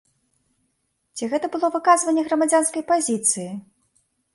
Ці гэта было выказванне грамадзянскай пазіцыі?